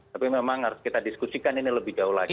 tapi memang harus kita diskusikan ini lebih jauh lagi